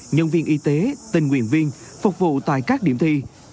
nhân viên y tế tình nguyện viên phục vụ tại các điểm thi